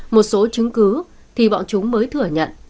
một số chứng cứ thì bọn chúng mới thừa nhận